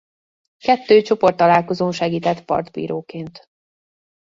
Kettő csoporttalálkozón segített partbíróként.